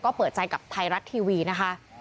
ก็เปิดใจกับไทยรัฐทีวีนะคะ